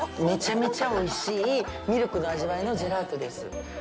めちゃめちゃおいしいミルクの味わいのジェラートです。